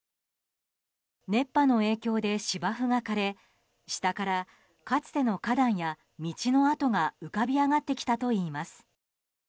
熱波の影響で芝生が枯れ下からかつての花壇や道の跡が浮かび上がってきたといいます。